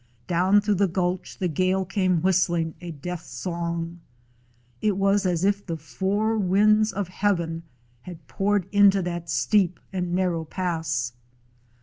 Down through the gulch the gale came whistling a death song. It was as if the four winds of heaven had poured into that steep and narrow pass.